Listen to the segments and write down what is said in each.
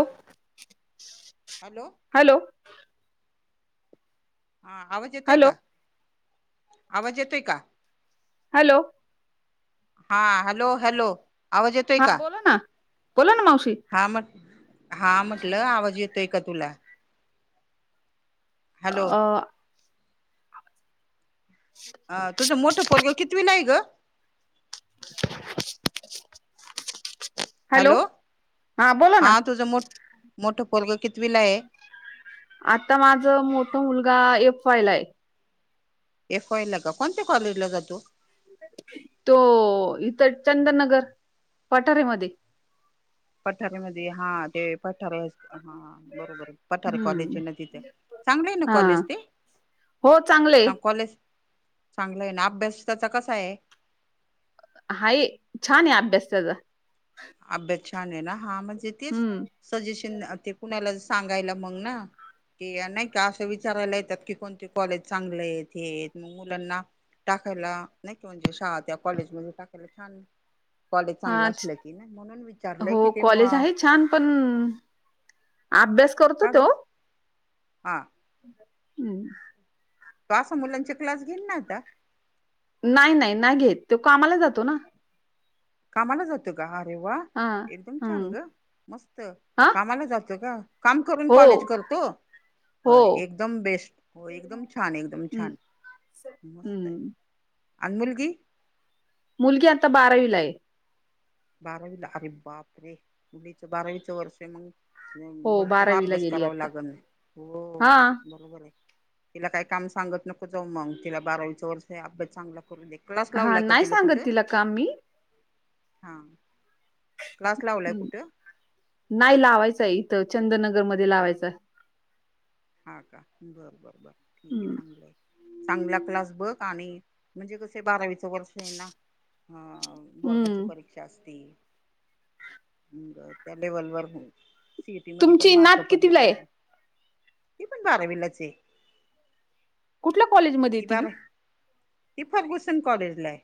हो hello hello हा आवाज येतय हॅलो का आवाज येतय का हॅलो हा हॅलो हॅलो आवाज येतोय हा का, बोला ना बोला ना मावशी हा मग हा म्हटलं आवाज येतोय का तुला हॅलो अ हा तुझं मोठं पोरग कितवीला आहे ग हॅलो बोला हा ना तुझं मो मोठं पोरग कितवीला आहे आता माझ मोठ मुलगा एफ वाय ला आहे एफ वाय ला का कोण्या कॉलेजला जातो तो इथ चंदनगर पठारेमध्ये पठारीेमध्ये हा ते पठार अस हा बरोबर पठार कॉलेज हम्म ना तिथे चांगलं आहे ना हा कॉलेज ते हो चांगले चांगलंय ना अभ्यास त्याचा कसा आहे हाय छान आहे अभ्यास त्याचा अभ्यास छान हे ना हा म्हंजे तेचं हम्म सजेशन ते कुणाला सांगायला मग ना ते नाही का असं विचारायला येतात की कोणते कॉलेज चांगले आहेत हे मग मुलांना टाकायला नाही क म्हणजे शहा त्या कॉलेजमध्ये टाकायला छान कॉलेज हा चांगलं असलं की नाही म्हणून विचारलंय कि हो ते म कॉलेज आहे छान पण अभ्यास करतो काग तो हां हम्म तो असा मुलांचे क्लास घेन ना आता नाही नाही नाही घेत तो कामाला जातो ना कामाला जातो ग अरे वा हा एकदम छांन हम्म ग मस्त हा कामाला जातो का. काम करून हो कॉलेज करतो. हो एकदम बेस्ट हो एकदम छान एकदम हम्म छान. मस्त आहे हम्म अन मुलगी. मुलगी आता बारावीला आहे. बारावीला अरे बाप रे मुलीच बारावीचं वर्ष आहे मग. हो भरपूर बारावीला अभ्यास गेली करावा आता लागल हो हा बरोबर आहे. तिला काही काम सांगत नको जाऊ मग तिला बारावीचं वर्ष आहे अभ्यास चांगला करून दे. क्लास लावले का तिला कुठं. कामी. हां क्लास लावलाय कुठे. नाही लावायचंय इथं चंद्रनगर मध्ये लावायचं. हां का बरं बरं बरं ठीक आहे चांगलं आहे. चांगला क्लास बघ आणि म्हणजे कसे बारावीचा वर्ष आहे ना हा. बोर्डाची हम्म परीक्षा असती म त्या लेवल वर. सीएटी मध्ये पण तुमची मार्क नात पडले कितीला आहे पाहिजे ती पण बारावीलाच आहे. कुठल्या कॉलेजमध्ये येते मी. हि फरगुसेन कॉलेजला आहे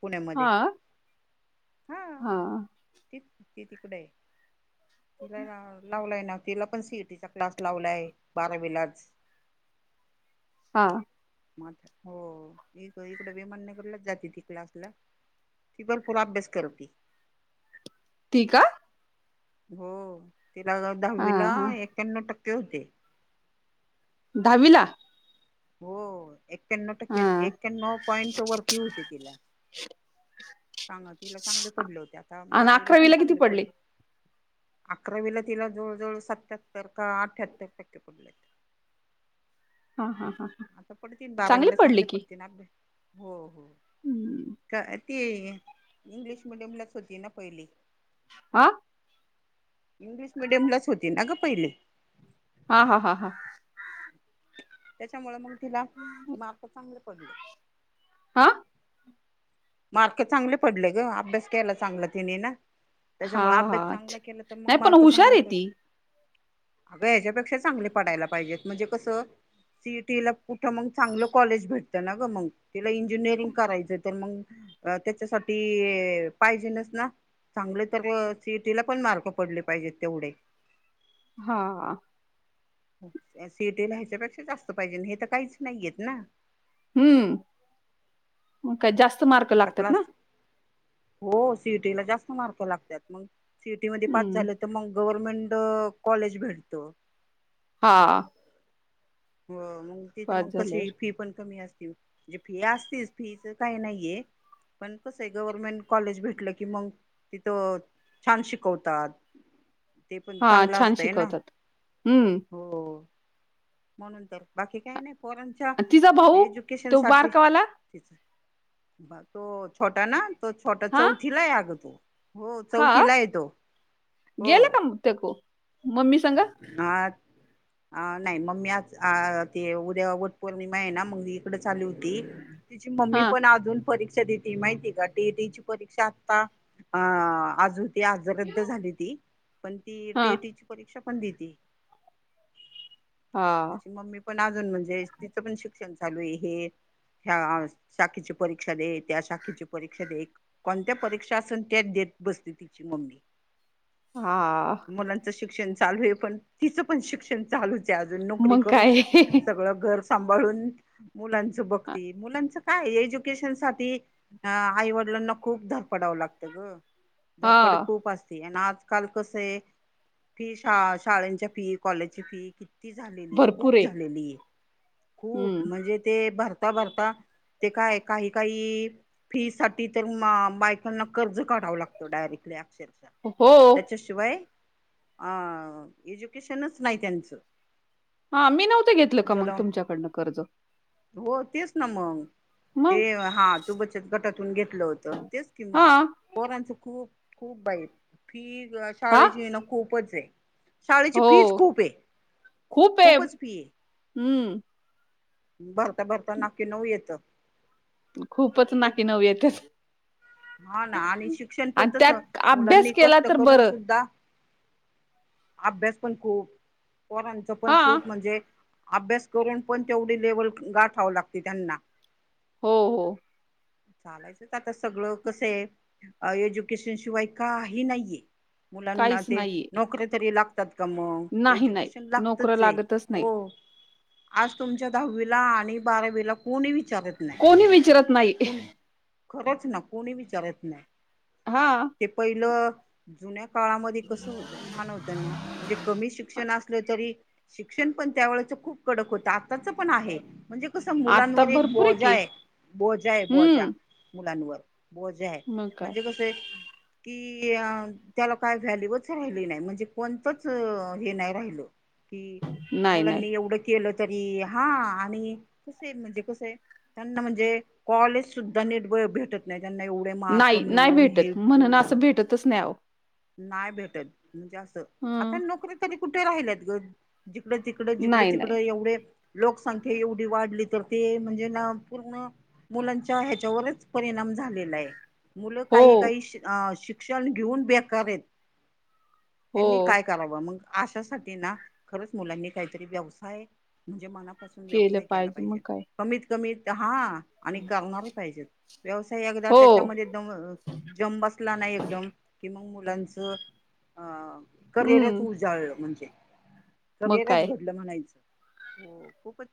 पुण्यामध्ये हा हा. ती तिकडे आहे तिला लावलाय ना. तिला पण सीईटीचा क्लास लावलाय बारावीलाच. हा. मग हो इक इकडं विेमाननगरलाच जाते ती क्लासला. ति भरपूर अभ्यास करती. ती का. हो तिला हा दहावीला हा ऐक्याण्णौ टक्के होते. दहावी ला. हो ऐक्याण्णौ हा टक्के ऐक्याण्णौ पॉइंट वरती होते तिला. [unintelligible] चांग तिला चांगले पडले होते आता आणि बारावीला पण अकरावीला किती चांगले पडले पडेल. अकरावीला तिला जवळजवळ सत्याहत्तर का अठ्याहत्तर टक्के पडले आहेत. हा हा हा. आता पडतील बारावीला पडले चांगले की पडतील ना आता हो हो का. ती इंग्लिश मिीडियम लाच होती ना पहिले. हा. इंग्लिश मिीडियमलाच होती ना ग पहिले. हा हा हा हा. त्याच्यामुळं मग तिला मार्क चांगले पडले. आ. मार्क चांगले पडले ग अभ्यास केला चांगला तिने ना. त्याच्यामुळे हा अभ्यास अच्छा चांगला केला तर मग नाही पण मार्क हुशार चांगले आहे ती पडले. अगं ह्याच्यापेक्षा चांगले पडायला पाहिजेत म्हणजे कसं सीईटी ला कुठं मग चांगलं कॉलेज भेटतं ना ग मग तिला इंजिनिअरिंग करायचं तर मग. अ त्याच्यासाठी पाहिजे नच ना. चांगले तर सिएटीला पण मार्क पडले पाहिजेत तेवढे. हा. सीएटी ला ह्याच्यापेक्षा जास्त पाहिजे हे तर काहीच नाहीयेत ना. हम्म मग काय जास्त मार्क आता लागतात क्लास ना. हो सिईटीला जास्त मार्क लागतात मग सिईटी मध्ये पाच हम्म झालं तर मग गव्हर्नमेंट कॉलेज भेटत. हा. हो मग तिथं पास मग झाल्यावर कशी फी पण कमी असतील. म्हणजे फी असतीस फीच काही नाहीये. पण कसं आहे गव्हर्मेंट कॉलेज भेटलं की मग तिथं. छान शिकवतात ते पण हा चांगलं छान असतय ना. शिकवतात हम्म हो. म्हणून तर बाकी काय नाही पोरानंच तिचा भाऊ तो बारकावाला. तो छोटा ना तो छोटा हा चौथीला अग तो. हो हा चौथीला येतो हो. तको मम्मी संग हा नाही मग मी आ अ ते उद्या वट पौर्णिमा आहे ना मग कुटं चाली होती तिची मम्मी हा पण अजून परीक्षा देत माहिती का टीईटी ची परीक्षा आता अ आजून ती आज रद्द झाली ती पण ती हा टीटीची परीक्षा पण दिदी हा तिची मम्मी पण अजून म्हणजे तिचं पण शिक्षण चालू आहे. ह्या साखीची परीक्षा दे त्या शाखीची परीक्षा दे. कोणत्या परीक्षा असून तेच देत बसली तिची मम्मी. हा. मुलांच शिक्षण चालू आहे पण तिचं पण शिक्षण चालूच आहे अजून नोकरी मग करून काय सगळं घर सांभाळून मुलांचं बघती मुलांचं. काय एज्युकेशन साठी आईवडिलांना खूप धडपडावं लागतं ग. हा धडपड खूप असते आणि आजकाल कस आहे. फी शा शाळेच्या फी कॉलेजची फी किती ती झालेली खूप झालेली आहे खूप हम्म म्हणजे ते भरता भरता ते काय काही काही फी साठी तर बायकांना कर्ज काढावं लागतं डायरेक्टली अक्षरशः हो. च्या शिवाय. अ एज्युकेशनच नाही त्यांनच. हा मी नव्हतं घेतलं का मग तुमच्याकडनं कर्ज. हो तेच ना मग. ते मग हा तू बचत गटातून घेतलं होतं तेच की हा मग. पोरांचं खूप खूप बाई फी हा शाळेचीना खूपच आहे. शाळेची हो फीज खूप आहे खूप आहे खूपच फी आहे. हम्म भरता भरता नाकी नऊ येतं. खूपच नाकी नऊ येतेच. ह ना आणि शिक्षण पण आणि तसं त्यात अभ्यास मुलांनी केला कष्ट तर करून बरं सुद्धा अभ्यास पण खूप पोरांच पण हा खूप म्हणजे अभ्यास करून पण तेवढी लेवल गाठावं लागते त्यांना. हो हो. चालायचंच आता सगळं कस आहे एज्युकेशन शिवाय काही नाहीये. मुलांना काहीच ते नाहीये नोकरी तरी लाग का मग नाही नाही एज्युकेशन नोकरं लागतच आहे नाही हो. आज तुमच्या दहावीला आणि बारावीला कोणी विचारत नाही. कोणी विचारत नाही. णी [unintelligible] खरंच ना कोणी विचारत नाही. हा. ते पहिलं जुन्या काळामध्ये कसं होतं छान होतं ना म्हणजे कमी शिक्षण असलं तरी शिक्षण पण त्यावेळेच खूप कडक होतं. आताच पण आहे. म्हणजे कसं आता मुलांवर एक भरपूर बोजा की आहे. बोजा आहे बोजा हम्म मुलांवर बोजा आहे मग काय म्हणजे कस कि त्याला काय व्हॅल्यूच राहिली नाही म्हणजे कोणतंच हे नाही राहिल. कि नाही नाही मुलांनी एवढं केलं तरी हा आणि कसय म्हणजे कसय आहे त्यांना म्हणजे कॉलेज सुद्धा निट भेटत नाही त्यांना एवढे मार्क नाही नाही मिळवून भेटत हेल्प म्हणून मिळवून. असं भेटतच नाही ओ नाही भेटत म्हणजे असं आता हं नोकरी तरी कुठे राहिल्यात ग. जिकडं तिकडं जिकडं नाही नाही तिकडं एवढे लोकसंख्या एवढी वाढली तर ते म्हणजे ना पूर्ण मुलांच्या ह्याच्यावरच परिणाम झालेला आहे. मुलं हो काही काही शिक्षण घेऊन बेकारेत. हो त्यांनी काय करावं मग अशासाठी ना खरंच मुलांनी काहीतरी व्यवसाय म्हणजे मनापासून केलं व्यवसाय केला मग पाहिजे. काय कमीत कमीत हा. आणि करणार पाहिजेत व्यवसाय एकदा हो त्याच्यामध्ये [unintelligible] जम बसला ना एकदम कि मग मुलांचं अ करिअरच हम्म उजाळलं म्हणजे मग करिअरच काय घडलं म्हणायचं. हो खूपच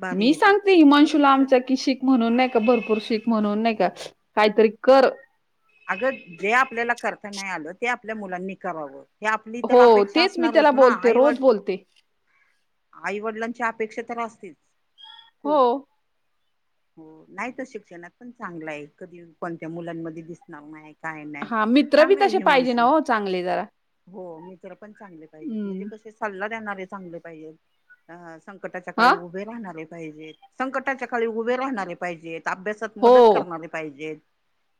भारी मी येते सांगते हिमांशूला खरंच आहे. आमच्या कि शिक म्हणून नाही का भरपूर शिक म्हणून नाही का काहीतरी कर. अगं जे आपल्याला करता नाही आलं ते आपल्या मुलांनी करावं. हे आपली तर हो अपेक्षा तेच मी असणारच त्याला ना बोलते आईवड रोज बोलते आईवडिलांची अपेक्षा तर असतीच. हो. हो नाही तर शिक्षणात पण चांगला आहे. कधी कोणत्या मुलांमध्ये दिसणार नाही. काय नाही. हा मित्र बी चांगला आहे तसे ह्युमन पाहिजे ना शू हो चांगले जरा. हो मित्र पण चांगले पाहिजेत. म्हणजे हम्म कसे सल्ला देणारे चांगले पाहिजेत. अ संकटाच्या हा काळी उभे राहणारे पाहिजेत. संकटाच्या काळी उभे राहणारे पाहिजेत. अभ्यास हो मदत करणारे पाहिजेत.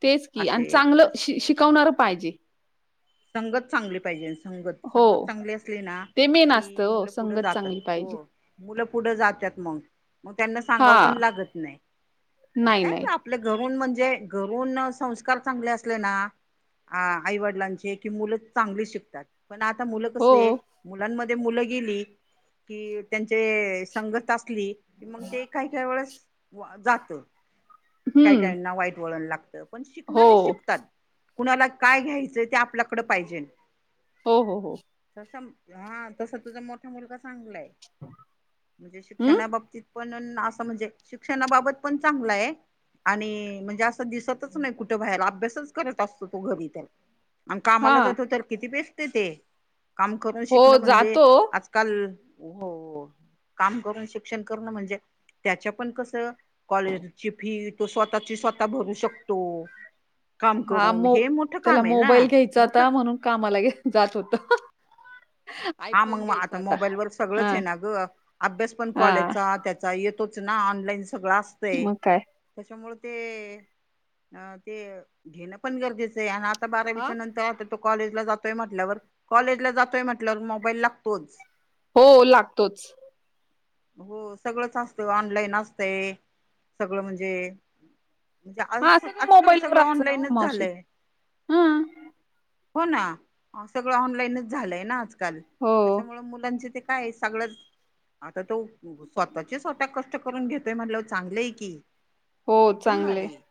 तेच की आणि असे. चांगलं श शिकवणार पाहिजे. संगत चांगली पाहिजे. संगत हो संगत चांगली असली ना ते मेन की असतं हो मुलं पुढं संगत जातात. चांगली पाहिजे हो. मुलं पुढं जातात मग मग त्यांना हा सांगाव पण लागत नाही. आणि नाही काय नाही आपले घरून म्हणजे घरून संस्कार चांगले असले ना आईवडिलांचे क मुलं चांगली शिकतात पण आता मुलं कस हो आहे. मुलांमध्ये मुलं गेली की त्यांचे संगत असली. क मग ते काही काही वेळेस जात काही हम्म काहीना वाईट वळण लागतं. पण हो शिकणार शिकतात कुणाला काय घ्यायचंय ते आपल्याकड पाहिजे. हो हो हो. तस हा तस तुझा मोठा मुलगा चांगलाय. म्हणजे हम्म शिक्षणा बाबतीत पण अस. म्हणजे शिक्षणाबाबत पण चांगलं आहे. आणि म्हणजे असं दिसतच नाही कुठं बाहेर अभ्यासच करत असतो तो घरी त्याला आणि हा कामाला जातो तर किती बेस्ट ते काम करून हो शिकणं म्हणजे जातो आजकाल. हो. काम करून शिक्षण करणं म्हणजे त्याच्या पण कसं. कॉलेजची फी तो स्वतःची स्वतः भरू शकतो. काम करून हे मोठं काम आहे ना जात मोठं म्हणून कामालाे जात होत. हा आयफोन मग आता घ्यायचा मोबाईल व हा सगळंच आहे ना ग अभ्यास पण हा कॉलेजचा त्या येतोच ना ऑनलाईन सगळं असतय. मग काय त्याच्यामुळे ते अ ते घेणं पण गरजेचं आहे आणि आ आता हा बारावीच्या नंतर आता तो कॉलेजला जातोय म्हटल्यावर कॉलेजला जातोय म्हटल्यावर मोबाईल लागतोच. हो लागतोच. हो सगळंच असत ऑनलाईन असते. सगळं म्हणजे म्हणजे हा आज सगळं आजकाल मोबाईलवर सगळं असतं ना हो ऑनलाईनच मावशी झालंय हा हो ना सगळं ऑनलाईनच झालंय ना आजकाल हो त्याच्यामुळे मुलांचे ते काय सगळं आता तो स्वतःचे स्वतः कष्ट करून घेतोय म्हटलं चांगलेय की हो एकदम चांगले भारी आहे.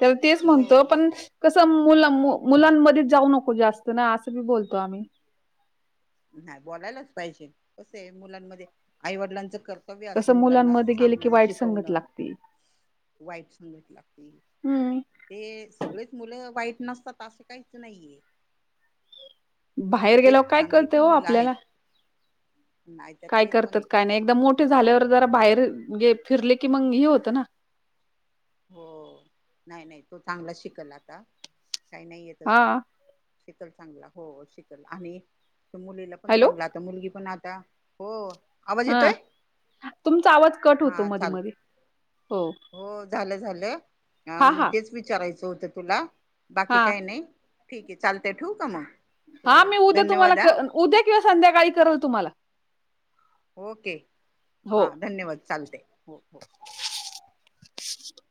तेला तेच म्हणतो हो पण कसं मुलं मुलांमध्ये जाऊ नको जास्त ना असं बी बोलतो आम्ही नाही बोलायलाच पाहिजे कसं आहे मुलांमध्ये आईवडिलांचं कर कर्तव्य अस कसं मुलांना मुलांमध्ये गेले की सांगणं वाईट संगत शिकवणं लागते वाईट सगत लागतील. हम्म ते सगळेच मुलं वाईट नसतात असे काहीच नाहीये. बाहेर म्हणजे गेल्यावर काय चांगली कळतय पण हो मुलं आपल्याला आहेत नाही तर काय ते पण करतात आहे काय नाही एकदाम मोठे झाल्यावर जरा हो बाहेरे फिरले की मग हे होतं ना हो नाही नाही तो चांगला शिकल आता काही नाही आहे हा तसं शिकल चांगला हो शिकल आणि मुलीला पण हॅलो चांगलात आता मुलगी पण आता हो आवाज हा येतोय तुमचा आवाज कट होतो हा मधी चाल मध हो हो झालं हा झालंग हा तेच विचारायचं होतं तुला बाकी हा काय नाही. ठीक आहे चालतय ठेऊ काय मग हा हो मी उद्या तुम्हाला धन्यवाद हा उद्या किंवा संध्याकाळी करल तुम्हाला ओके हो हां धन्यवाद चालते हो हो. [inaudible]